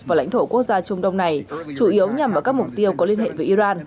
và lãnh thổ quốc gia trung đông này chủ yếu nhằm vào các mục tiêu có liên hệ với iran